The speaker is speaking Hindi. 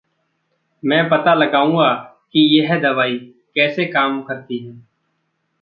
मैं पता लगाऊँगा कि यह दिवाई कैसे काम करती है।